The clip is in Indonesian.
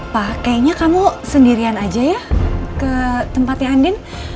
pak kayaknya kamu sendirian aja ya ke tempatnya andin